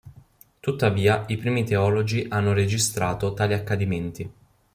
Tuttavia i primi teologi hanno registrato tali accadimenti.